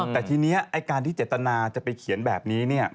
แต่ทีนี้ไอ้การที่เจตนาจะไปเขียนแบบนี้